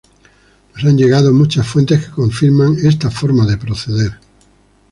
Nos han llegado muchas fuentes que confirman esta forma de proceder.